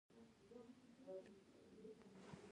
د غره ختل یو ستونزمن ورزش دی.